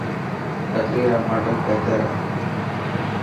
تقرير را ماڊل بهتر هئي.